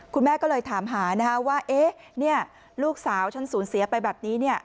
คุณแม่ก็เลยถามหานะว่าเนี่ยลูกสาวฉันสูญเสียไปแบบนี้เนี่ย